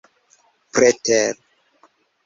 preter